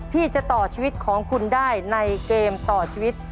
ที่จะต่อชีวิตของคุณได้ในเกมต่อชีวิต